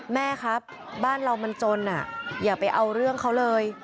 แม่ครับบ้านเรามันจนอย่าไปเอาเรื่องเขาเลย